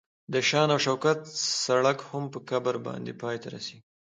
د شان او شوکت سړک هم په قبر باندې پای ته رسیږي.